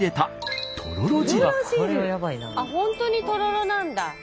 本当にとろろなんだ。